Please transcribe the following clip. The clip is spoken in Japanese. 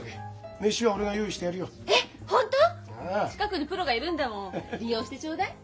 近くにプロがいるんだもん利用してちょうだい。